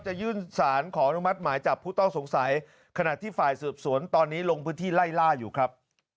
จะยื่นสารขออนุมัติหมายจับผู้ต้องสงสัยขณะที่ฝ่ายสืบสวนตอนนี้ลงพื้นที่ไล่ล่าอยู่ครับ